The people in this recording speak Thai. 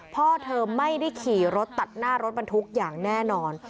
พ่อเธอไม่ได้ขี่รถตัดหน้ารถบรรทุกอย่างแน่นอน